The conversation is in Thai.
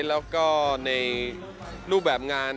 แล้วก็ในรูปแบบงาน